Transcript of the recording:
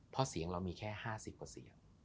เพราะเสียงเรามีแค่๕๐